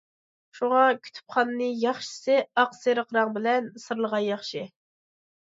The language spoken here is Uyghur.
شۇڭا كۇتۇپخانىنى ياخشىسى ئاچ سېرىق رەڭ بىلەن سىرلىغان ياخشى.